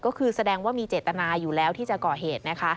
ก็คือแสดงว่ามีเจตนาอยู่แล้วที่จะก่อเหตุนะคะ